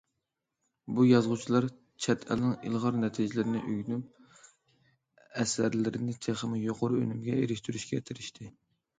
بۇ يازغۇچىلار چەت ئەلنىڭ ئىلغار نەتىجىلىرىنى ئۆگىنىپ، ئەسەرلىرىنى تېخىمۇ يۇقىرى ئۈنۈمگە ئېرىشتۈرۈشكە تىرىشتى.